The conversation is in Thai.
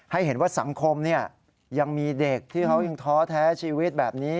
ให้เห็นว่าสังคมยังมีเด็กที่เขายังท้อแท้ชีวิตแบบนี้